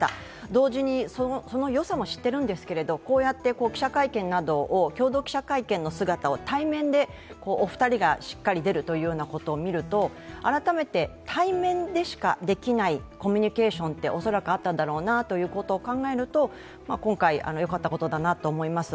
同時に、そのよさも知っているんですがこうやって共同記者会見の姿を対面で、お二人がしっかり出るというようなことを見ると改めて、対面でしかできないコミュニケーションって恐らくあったんだろうなということを考えると今回、よかったことだなと思います